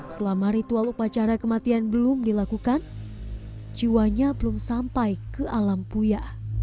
selama ritual upacara kematian belum dilakukan jiwanya belum sampai ke alam puya